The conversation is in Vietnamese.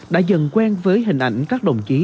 đã dần quen với hình ảnh các đồng chí